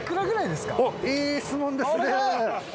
いい質問ですね！